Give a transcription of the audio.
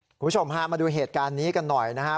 คุณผู้ชมพามาดูเหตุการณ์นี้กันหน่อยนะครับ